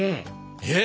えっ？